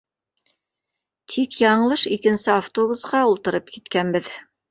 Тик яңылыш икенсе автобусҡа ултырып киткәнбеҙ.